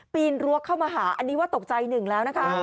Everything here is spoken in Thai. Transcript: ปีนรั้วเข้ามาหาอันนี้ว่าตกใจหนึ่งแล้วนะคะ